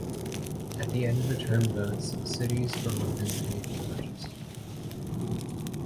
At the end of the turn boats, cities, or weapons may be purchased.